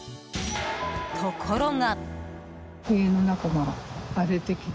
ところが。